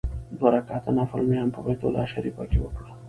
دوه رکعته نفل مې هم په بیت الله شریفه کې وکړ.